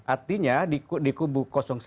artinya di kubu satu